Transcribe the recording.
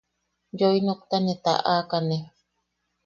Yoinokta ne taʼakane.